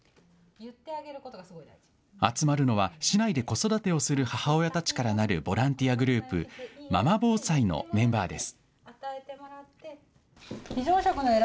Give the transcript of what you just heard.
集まるのは市内で子育てをする母親たちからなるボランティアグループ、ママ防災のメンバーです。